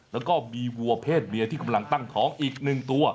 แล้วก็มีวัวเพศเมียที่กำลังตั้งท้องอีก๑ตัว